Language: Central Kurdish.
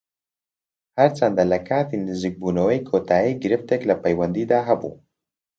هەرچەندە لە کاتی نزیکبوونەوەی کۆتایی گرفتێک لە پەیوەندیدا هەبوو